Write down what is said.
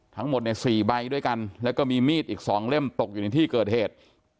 ทั้งหมดใน๔ใบด้วยกันแล้วก็มีมีดอีก๒เล่มตกอยู่ในที่เกิดเหตุ